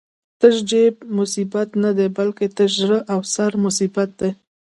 تش جېب مصیبت نه دی، بلکی تش زړه او سر مصیبت دی